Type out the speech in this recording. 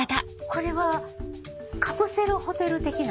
これはカプセルホテル的な？